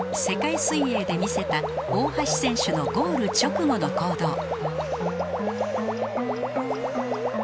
世界水泳で見せた大橋選手のゴール直後の行動。